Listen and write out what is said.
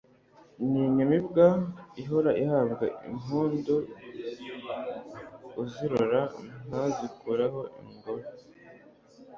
N' inyamibwa ihora ihabwa impunduUzirora ntazikuraho ingohe